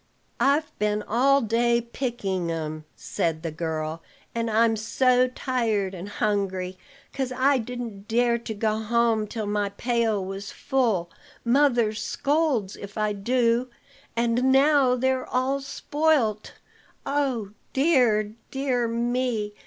"I've been all day picking 'em," said the girl; "and I'm so tired and hungry; 'cause I didn't dare to go home till my pail was full, mother scolds if I do, and now they're all spoilt. Oh, dear! dear me!"